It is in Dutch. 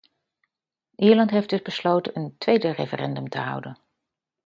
Ierland heeft dus besloten een tweede referendum te houden.